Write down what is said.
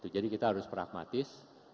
jadi kita harus pragmatis